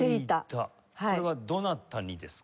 これはどなたにですか？